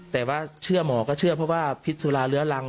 แต่ว่าเชื่อหมอก็เชื่อเพราะว่าพิษสุราเรื้อรัง